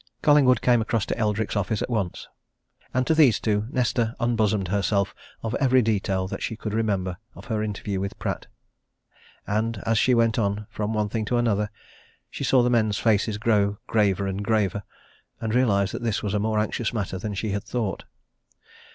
Collingwood came across to Eldrick's office at once. And to these two Nesta unbosomed herself of every detail that she could remember of her interview with Pratt and as she went on, from one thing to another, she saw the men's faces grow graver and graver, and realized that this was a more anxious matter than she had thought.